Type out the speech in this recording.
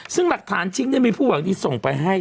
ซึ่งหลักฐานชิ้นมีผู้หวังดีส่งไปให้